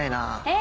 え！